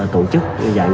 tổ chức dạng dạng